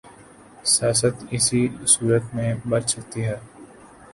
سیاست اسی صورت میں بچ سکتی ہے۔